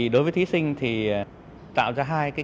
đối với thí sinh thì tạo ra hai kỹ thuật